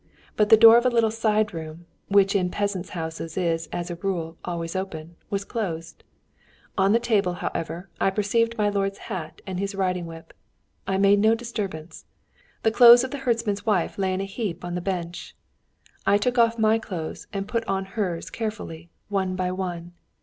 But the door of a little side room, which in peasants' houses is, as a rule, always open, was closed. On the table, however, I perceived my lord's hat and his riding whip. I made no disturbance. The clothes of the herdsman's wife lay in a heap on a bench. I took off my clothes and put on hers carefully, one by one.